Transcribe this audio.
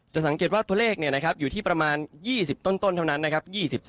สังเกตว่าตัวเลขอยู่ที่ประมาณ๒๐ต้นเท่านั้นนะครับ